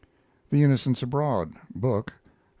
THE INNOCENTS ABROAD book (Am.